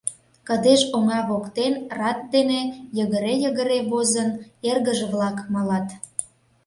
Кыдеж оҥа воктен рат дене йыгыре-йыгыре возын, эргыже-влак малат.